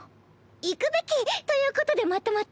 行くべきということでまとまったっス。